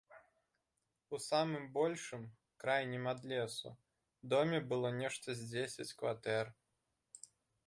У самым большым, крайнім ад лесу, доме было нешта з дзесяць кватэр.